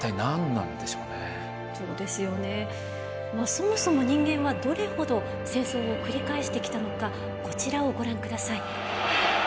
そもそも人間はどれほど戦争を繰り返してきたのかこちらをご覧ください。